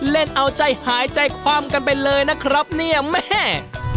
เล่นเอาใจหายใจความกันไปเลยนะครับเนี่ยแม่